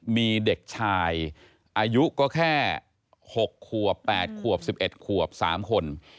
มีเด็กชายอายุก็แค่๖ขวบ๘ขวบ๑๑ขวบ๓คน